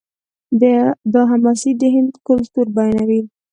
دا حماسې د هند کلتور بیانوي.